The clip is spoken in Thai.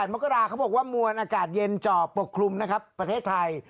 มกราเขาบอกว่ามวลอากาศเย็นเจาะปกคลุมนะครับประเทศไทย